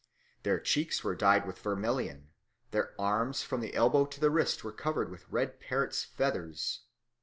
Their cheeks were dyed with vermilion, their arms from the elbow to the wrist were covered with red parrots' feathers."